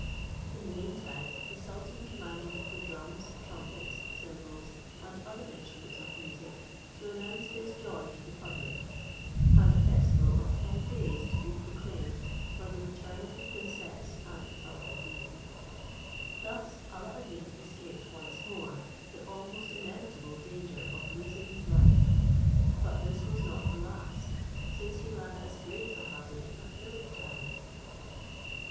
In the mean time, the sultan commanded the drums, trumpets, cymbals, and other instruments of music to announce his joy to the public, and a festival of ten days to be proclaimed for the return of the princess and Alla ad Deen. Thus Alla ad Deen escaped once more the almost inevitable danger of losing his life; but this was not the last, since he ran as great a hazard a third time.